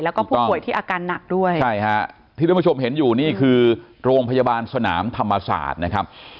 แล้วก็ผู้ป่วยที่อาการหนักด้วยใช่ฮะที่ท่านผู้ชมเห็นอยู่นี่คือโรงพยาบาลสนามธรรมศาสตร์นะครับ